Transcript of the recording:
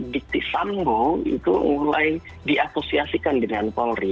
dikti sambok itu mulai diakosiasikan dengan polri